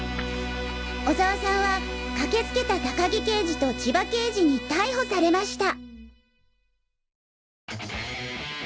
小沢さんは駆けつけた高木刑事と千葉刑事に逮捕されました！」。